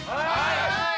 はい！